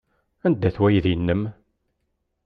Anda-t weydi-nnem?